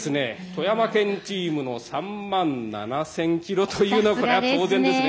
富山県チームの３万７，０００キロというこれは当然ですね。